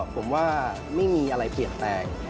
ผมว่าไม่มีอะไรเปลี่ยนแปลง